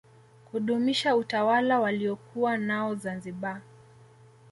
kudumisha utawala waliokuwa nao zanziba